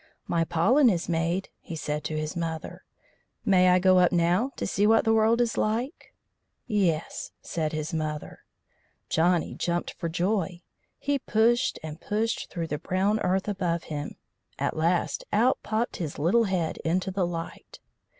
"My pollen is made," he said to his mother. "May I go up now to see what the world is like?" "Yes," said his mother. Johnny jumped for joy. He pushed and pushed through the brown earth above him; at last out popped his little head into the light.